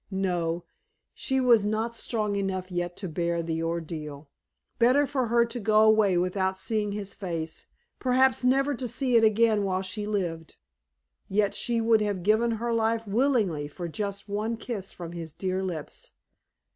No, she was not strong enough yet to bear the ordeal. Better for her to go away without seeing his face, perhaps never to see it again while she lived. Yet she would have given her life willingly for just one kiss from his dear lips.